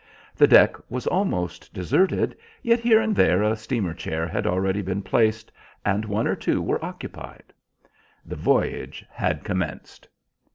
The deck was almost deserted, yet here and there a steamer chair had already been placed, and one or two were occupied. The voyage had commenced.